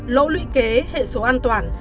lỗ lũy kế hệ số an toàn